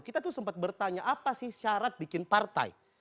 kita tuh sempat bertanya apa sih syarat bikin partai